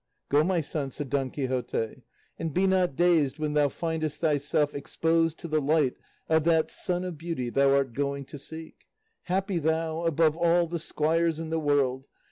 "Go, my son," said Don Quixote, "and be not dazed when thou findest thyself exposed to the light of that sun of beauty thou art going to seek. Happy thou, above all the squires in the world!